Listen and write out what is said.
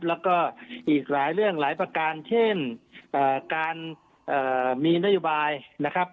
แล้วก็อีกหลายเรื่องหลายประการเช่นการมีนโยบายนะครับ